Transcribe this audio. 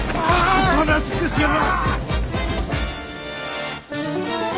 おとなしくしろ！